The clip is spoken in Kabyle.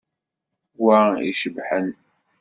Wa i icebḥen.